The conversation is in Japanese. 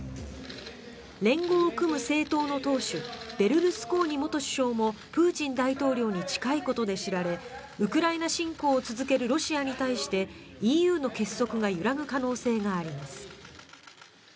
連合を組む政党の党首ベルルスコーニ元首相もプーチン大統領に近いことで知られウクライナ侵攻を続けるロシアに対してＥＵの結束が揺らぐ可能性があります。